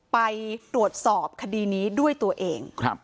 ไปตรวจสอบคดีนี้ด้วยตัวเอง